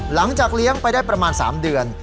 หลังจากเลี้ยงไปได้ประมาณ๓เดือน